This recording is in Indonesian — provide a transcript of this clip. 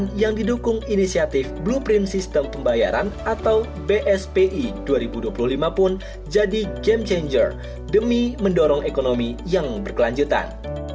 yang didukung inisiatif blueprint sistem pembayaran atau bspi dua ribu dua puluh lima pun jadi game changer demi mendorong ekonomi yang berkelanjutan